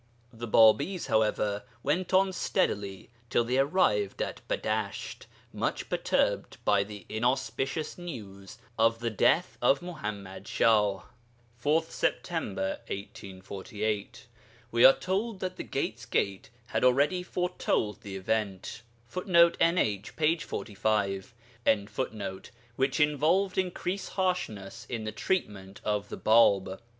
The Bābīs, however, went on steadily till they arrived at Badasht, much perturbed by the inauspicious news of the death of Muḥammad Shah, 4th September 1848. We are told that the 'Gate's Gate' had already foretold this event, [Footnote: NH, p. 45.] which involved increased harshness in the treatment of the Bāb.